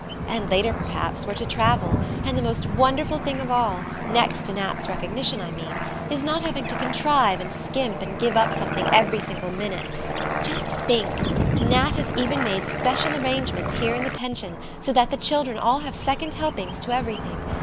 And later, perhaps, we're to travel. And the most wonderful thing of all next to Nat's recognition, I mean is not having to contrive and skimp, and give up something every single minute. Just think Nat has even made special arrangements here in the pension, so that the children all have second helpings to everything.